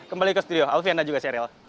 kembali ke studio alfian dan juga serial